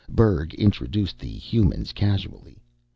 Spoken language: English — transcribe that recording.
Berg introduced the humans casually.